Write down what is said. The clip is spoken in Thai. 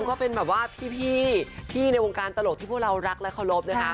ก็เป็นแบบว่าพี่ในวงการตลกที่พวกเรารักและเคารพนะคะ